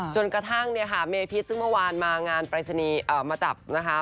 จนกระทั่งเนี่ยค่ะเมพิษซึ่งเมื่อวานมางานปรายศนีย์มาจับนะคะ